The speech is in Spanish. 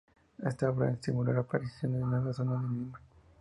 Esta obra estimuló la aparición de nuevas zonas en Lima.